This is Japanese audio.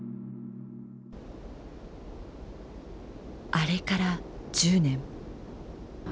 あれから１０年。